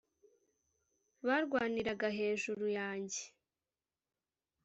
barwaniraga hejuru yanjye